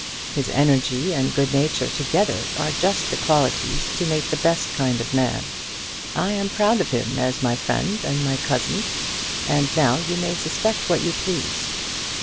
His energy and good nature together are just the qualities to make the best kind of man. I am proud of him as my friend and my cousin, and now you may suspect what you please."